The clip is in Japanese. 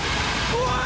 怖い！